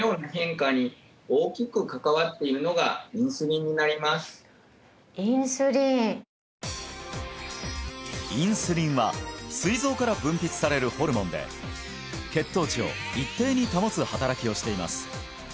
このようにインスリンインスリンはすい臓から分泌されるホルモンで血糖値を一定に保つ働きをしています